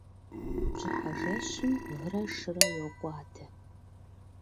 Бжьыхьэ жэщым вырэ шырэ йокӀуадэ.